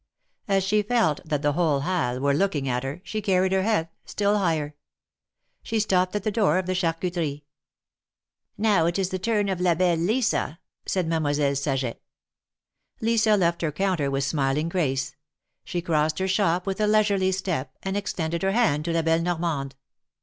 As she felt that the whole Halles were looking at her, she carried her head still higher. She stopped at the door of the Charcuterie. Now it is the turn of La belle Lisa," said Mademoi selle Saget. Lisa left her counter with smiling grace. She crossed her shop with a leisurely step, and extended her hand to La belle Normande.